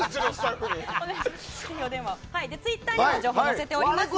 ツイッターにも情報を載せてますので。